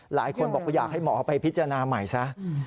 หลายคนบอกว่าอยากให้หมอไปพิจารณาใหม่ซะ